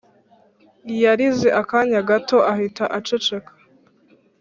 Yarize akanya gato ahita aceceka